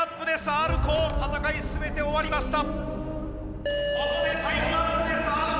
Ｒコー戦い全て終わりました。